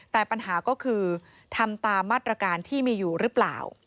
แต่ปัญหาก็คือทำตามมาตรการที่มีอยู่หรือเปล่า